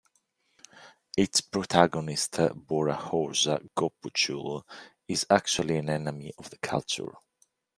Its protagonist Bora Horza Gobuchul is actually an enemy of the Culture.